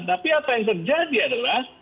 tapi apa yang terjadi adalah